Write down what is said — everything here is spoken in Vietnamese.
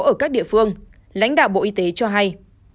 ở các địa phương lãnh đạo bộ y tế cho hay